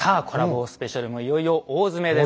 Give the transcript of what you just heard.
スペシャルもいよいよ大詰めでございます。